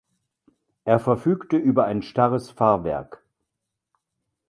Er verfügte über ein starres Fahrwerk.